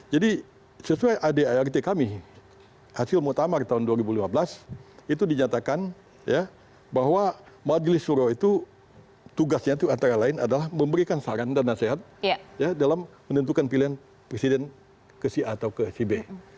jadi sesuai ad art kami hasil mutamar tahun dua ribu lima belas itu dinyatakan bahwa majelis suro itu tugasnya itu antara lain adalah memberikan saran dan nasihat dalam menentukan pilihan presiden ke c atau ke b